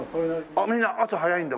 あっみんな朝早いんだ。